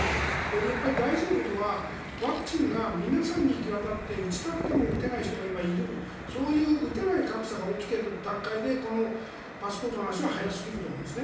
やっぱり大事なことはワクチンが皆さんに行き渡って打ちたくても打てない人が今いるそういう打てない格差が起きている段階でこのパスポートの話は早すぎると思うんですね。